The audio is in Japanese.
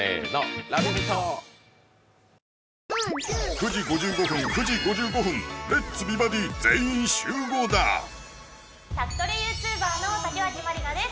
９時５５分９時５５分全員集合だ宅トレＹｏｕＴｕｂｅｒの竹脇まりなです